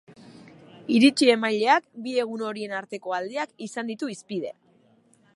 Iritzi emaileak bi egun horien arteko aldeak izan ditu hizpide.